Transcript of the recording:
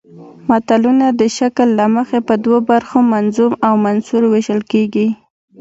متلونه د شکل له مخې په دوو برخو منظوم او منثور ویشل کیږي